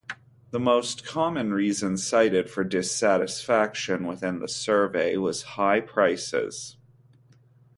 The most common reason cited for dissatisfaction within the survey was high prices.